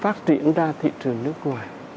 phát triển ra thị trường nước ngoài